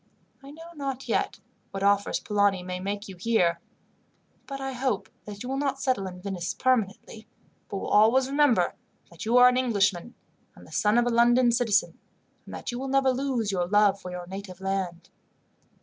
I know not yet what offers Polani may make you here, but I hope that you will not settle in Venice permanently, but will always remember that you are an Englishman, and the son of a London citizen, and that you will never lose your love for your native land.